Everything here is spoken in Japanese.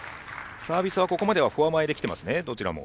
サービスはここまではフォア前できています、どちらも。